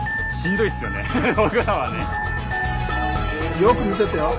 よく見ててよ。